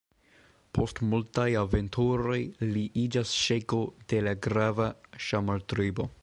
Post multaj aventuroj li iĝas ŝejko de la grava Ŝammar-tribo.